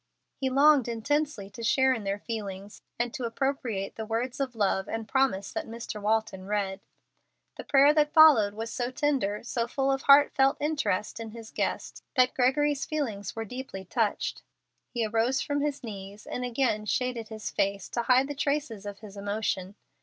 He longed intensely to share in their feelings, and to appropriate the words of love and promise that Mr. Walton read. The prayer that followed was so tender, so full of heart felt interest in his guest, that Gregory's feelings were deeply touched. He arose from his knees, and again shaded his face to hide the traces of his emotion.